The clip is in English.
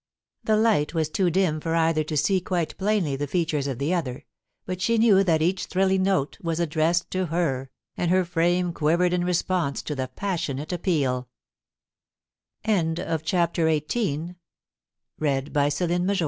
The light was too dim for either to see quite plainly the features of the other ; but she knew that each thrilling note was addressed to her, and her frame quivered in response to the passionate appeal CHAPTE